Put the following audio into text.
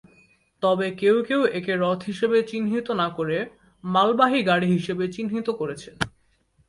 তবে কেউ কেউ একে রথ হিসেবে চিহ্নিত না করে, মালবাহী গাড়ি হিসেবে চিহ্নিত করেছেন।